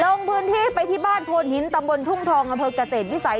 ลงพื้นที่ไปที่บ้านโพนหินตำบลทุ่งทองอำเภอกเกษตรวิสัย